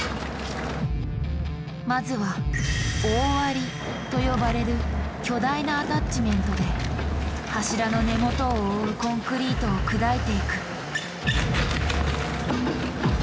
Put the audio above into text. まずは「大割り」と呼ばれる巨大なアタッチメントで柱の根元を覆うコンクリートを砕いていく。